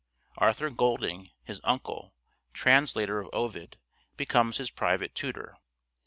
Arthur Golding (his uncle), translator of Ovid, becomes his private tutor.